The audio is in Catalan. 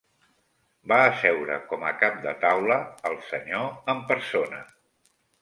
Va asseure com a cap de taula, el senyor en persona